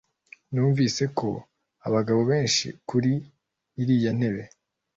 numvise ko abagabo benshi kuri iriyantebe